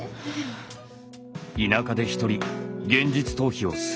田舎で１人現実逃避をする夫。